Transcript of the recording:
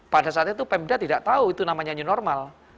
pada saat itu pemda tidak tahu itu namanya new normal